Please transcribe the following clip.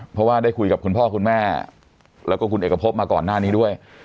เพราะว่าได้คุยกับคุณพ่อคุณแม่แล้วก็คุณเอกพบมาก่อนหน้านี้ด้วย